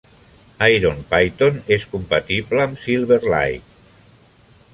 IronPython és compatible amb Silverlight.